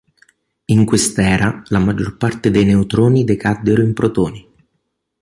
In quest'era, la maggior parte dei neutroni decaddero in protoni.